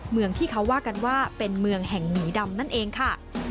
เมืองที่เขาว่ากันว่าเป็นเมืองแห่งหมีดำนั่นเองค่ะ